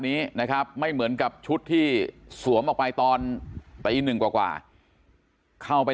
นี้นะครับไม่เหมือนกับชุดที่สวมออกไปตอนตีหนึ่งกว่าเข้าไป